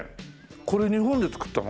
これ日本で作ったの？